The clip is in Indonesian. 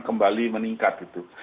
kembali meningkat gitu